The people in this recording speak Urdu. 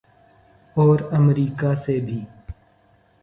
اور امریکہ سے بھی۔